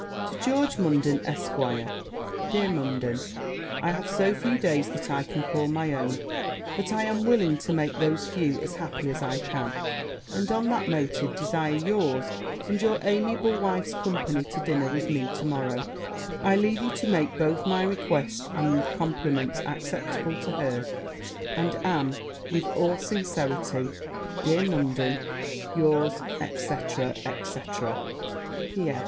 'To George Munden, Esq. Dear Munden, I have so few days that I can call my own, that I am willing to make those few as happy as I can; and on that motive desire yours and your amiable wife's company to dinner with me to morrow: I leave you to make both my request and compliments acceptable to her; and am, with all sincerity, dear Munden, yours, &c. &c. P.S.